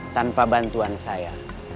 tanpa bantuan saya